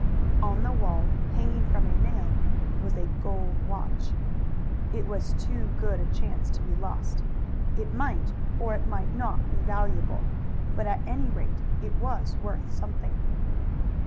On the wall, hanging from a nail, was a gold watch. It was too good a chance to be lost. It might or it might not be valuable, but at any rate it was worth something.